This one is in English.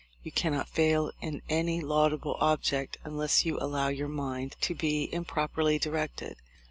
You cannot fail in any laudable object unless you allow your mind to be improperly directed.